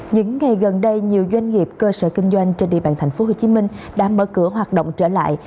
những ngày gần đây nhiều doanh nghiệp cơ sở kinh doanh trên địa bàn tp hcm đã mở cửa hoạt động trở lại